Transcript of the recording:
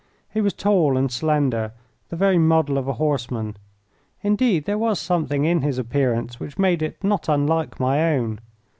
He was tall and slender, the very model of a horseman; indeed, there was something in his appearance which made it not unlike my own.